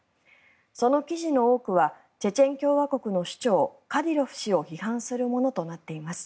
その記事の多くはチェチェン共和国の首長カディロフ氏を批判するものとなっています。